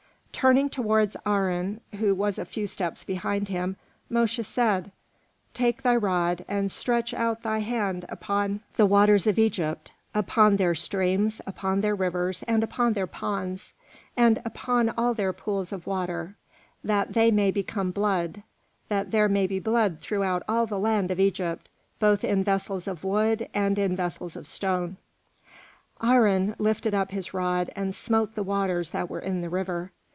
Turning towards Aharon, who was a few steps behind him, Mosche said, "Take thy rod, and stretch out thine hand upon the waters of Egypt, upon their streams, upon their rivers, and upon their ponds, and upon all their pools of water, that they may become blood; and that there may be blood throughout all the land of Egypt, both in vessels of wood and in vessels of stone." Aharon lifted up his rod and smote the waters that were in the river.